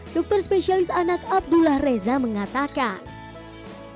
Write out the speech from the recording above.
dokter spesialis anak abdullah reza mengatakan